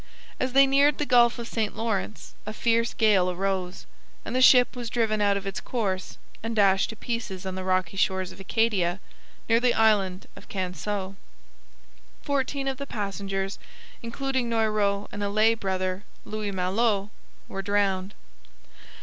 As they neared the Gulf of St Lawrence a fierce gale arose, and the ship was driven out of its course and dashed to pieces on the rocky shores of Acadia near the island of Canseau. Fourteen of the passengers, including Noyrot and a lay brother, Louis Malot, were drowned.